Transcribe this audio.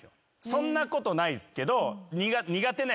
そんなことないっすけど。